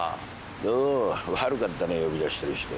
よう悪かったね呼び出したりして。